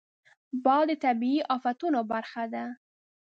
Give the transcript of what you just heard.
باد د طبیعي افتونو برخه ده